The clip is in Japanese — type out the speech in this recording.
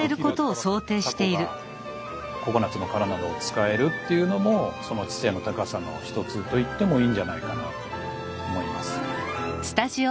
タコがココナッツの殻などを使えるっていうのもその知性の高さの一つと言ってもいいんじゃないかなと思います。